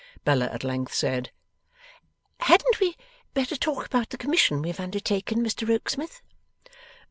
Bella at length said: 'Hadn't we better talk about the commission we have undertaken, Mr Rokesmith?